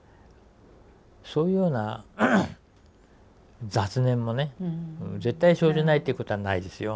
そういうような雑念もね絶対生じないっていうことはないですよ。